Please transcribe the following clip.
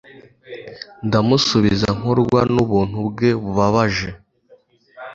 Ndamusubiza nkorwa nubuntu bwe bubabaje